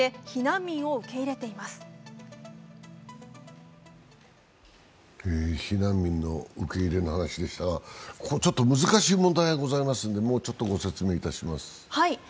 避難民の受け入れの話でしたが、ちょっと難しい問題がございますんでもうちょっとご説明します。